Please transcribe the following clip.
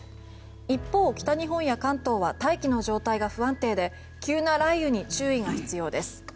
一方、北日本や関東は大気の状態が不安定で急な雷雨に注意が必要です。